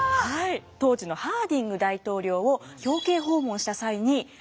当時のハーディング大統領を表敬訪問した際に取材をされています。